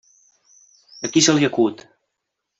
A qui se li acut!